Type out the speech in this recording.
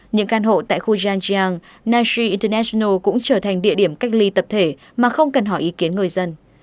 những căn hộ tại khu zhangjiang naxi international cũng trở thành địa điểm cách ly tập thể mà không cần hỏi ý kiến người dân